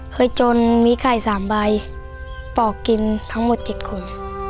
จนมีไข่๓ใบปอกกินทั้งหมด๗คน